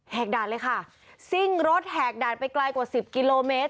กด่านเลยค่ะซิ่งรถแหกด่านไปไกลกว่าสิบกิโลเมตร